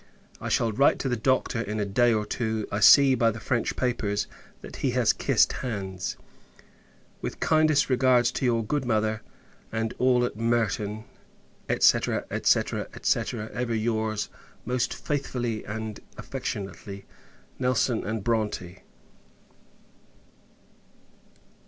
I shall write the Doctor in a day or two. I see, by the French papers, that he has kissed hands. With kindest regards to your good mother, and all at Merton, &c. &c. &c. ever your's, most faithfully and affectionately, NELSON & BRONTE.